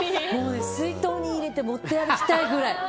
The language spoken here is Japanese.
水筒に入れて持っていきたいくらい。